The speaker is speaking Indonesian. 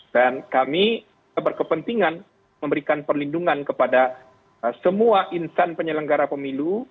dan kami berkepentingan memberikan perlindungan kepada semua insan penyelenggara pemilu